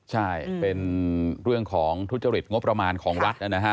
ใช่เป็นเรื่องของทุจริตงบประมาณของรัฐนะฮะ